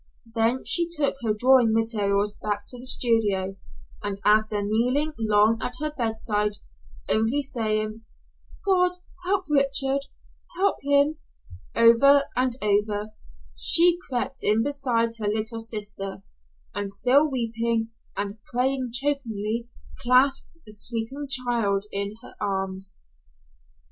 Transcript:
Then she took her drawing materials back to the studio, and after kneeling long at her bedside, and only saying: "God, help Richard, help him," over and over, she crept in beside her little sister, and still weeping and praying chokingly clasped the sleeping child in her arms.